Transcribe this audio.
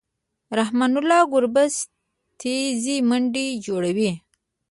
رحمن الله ګربز تېزې منډې جوړوي.